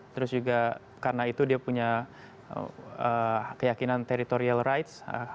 terus juga karena itu dia punya keyakinan teritorial rights